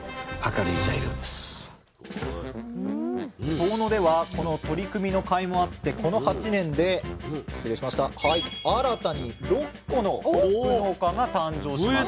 遠野ではこの取り組みのかいもあってこの８年で新たに６戸のホップ農家が誕生しました。